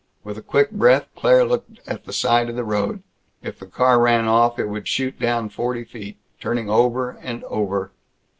With a quick breath Claire looked at the side of the road. If the car ran off, it would shoot down forty feet ... turning over and over.